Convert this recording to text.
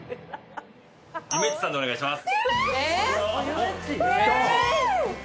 ゆめっちさんでお願いします。